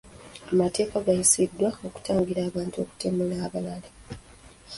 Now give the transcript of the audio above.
Amateeka gayisiddwa okutangira abantu okutemula abalala.